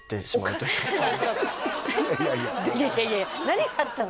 いやいやいや何があったの？